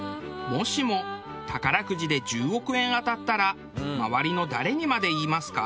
もしも宝くじで１０億円当たったら周りの誰にまで言いますか？